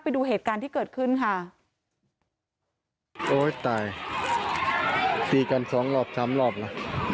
ไปดูเหตุการณ์ที่เกิดขึ้นค่ะโอ้ยตายตีกันสองรอบสามรอบนะ